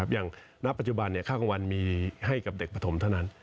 ณปัจจุบันค่ากลางวันมีให้กับเด็กปฐมเท่านั้น